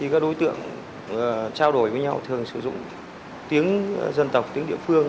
các đối tượng trao đổi với nhau thường sử dụng tiếng dân tộc tiếng địa phương